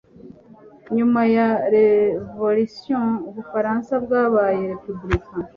Nyuma ya revolisiyo, Ubufaransa bwabaye repubulika